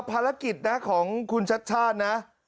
อภารกิจของคุณชัชช่านนะ